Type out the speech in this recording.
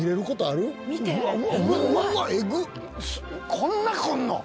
こんな来んの？